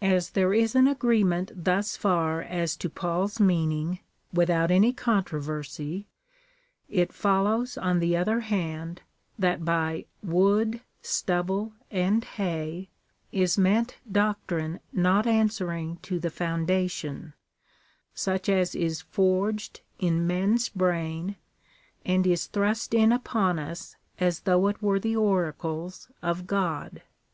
As there is an agreement thus far as to Paul's meaning, without any controversy, it follows on the other hand, that by wood, stubble and hay, is meant doctrine not answering to the foundation, such as is forged in men's brain, and is thrust in upon us as though it were the oracles of God.